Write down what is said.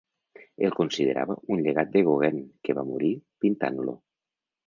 El considerava un llegat de Gauguin que va morir pintant-lo.